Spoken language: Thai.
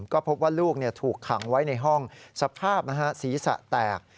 ก็พบว่าลูกถูกขังไว้ในห้องสภาพศีรษะแตก